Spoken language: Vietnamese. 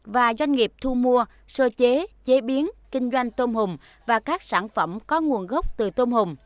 và doanh nghiệp thu mua sơ chế chế biến kinh doanh tôm hùm và các sản phẩm có nguồn gốc từ tôm hùm